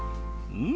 うん！